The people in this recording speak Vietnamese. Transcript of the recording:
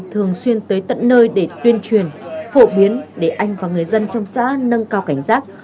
thường xuyên tới tận nơi để tuyên truyền phổ biến để anh và người dân trong xã nâng cao cảnh giác